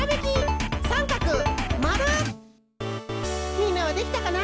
みんなはできたかな？